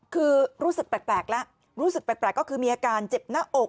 คือรู้สึกแปลกแล้วรู้สึกแปลกก็คือมีอาการเจ็บหน้าอก